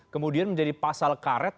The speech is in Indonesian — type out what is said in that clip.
kemudian menjadi pasal karet